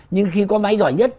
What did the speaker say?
nhưng khi có máy giỏi nhất